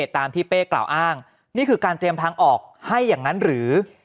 ตามที่เป้กล่าวอ้างนี่คือการเตรียมทางออกให้อย่างนั้นหรือ